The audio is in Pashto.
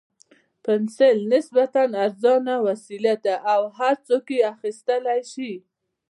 پنسل نسبتاً ارزانه وسیله ده او هر څوک یې اخیستلای شي.